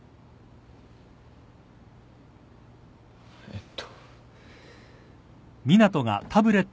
えっと。